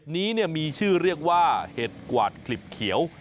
นี้มีชื่อเรียกว่าเห็ดกวาดกลิบเขียว